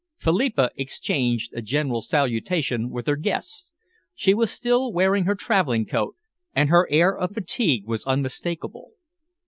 Philippa exchanged a general salutation with her guests. She was still wearing her travelling coat, and her air of fatigue was unmistakable.